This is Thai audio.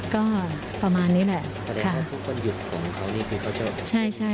ก็ประมาณนี้แหละค่ะ